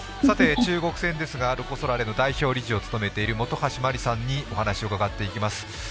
中国戦ですがロコ・ソラーレの代表理事を務めていらっしゃいます本橋麻里さんにお話を伺っていきます。